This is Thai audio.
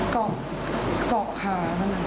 กรอกขา